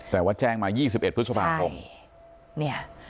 แต่ว่าแจ้งมา๒๑พฤศบาคม